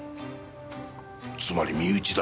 つまり身内だ。